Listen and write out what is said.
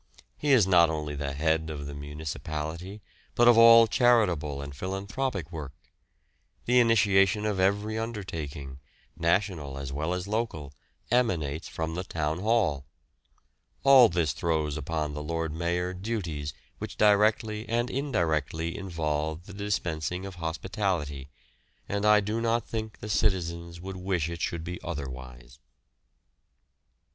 He is not only the head of the municipality, but of all charitable and philanthropic work. The initiation of every undertaking, national as well as local, emanates from the Town Hall. All this throws upon the Lord Mayor duties which directly and indirectly involve the dispensing of hospitality, and I do not think the citizens would wish it should be otherwise.